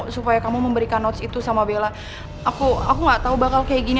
supaya kamu memberikan kaya ke aku aku harus melakukan hal yang baik untuk kak fani sumpah